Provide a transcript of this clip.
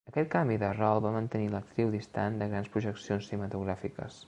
Aquest canvi de rol va mantenir l'actriu distant de grans projeccions cinematogràfiques.